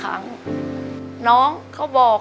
ประมาณ๗๐๘๐ปีได้แล้วบ้านหลังนี้